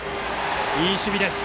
いい守備です。